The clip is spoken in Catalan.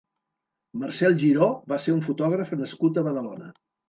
Marcel Giró va ser un fotògraf nascut a Badalona.